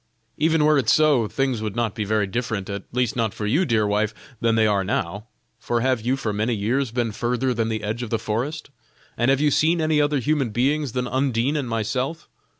even were it so, things would not be very different at least not for you, dear wife than they now are. For have you for many years been further than the edge of the forest? and have you seen any other human beings than Undine and myself?